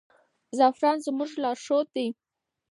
زعفران زموږ لارښود دی.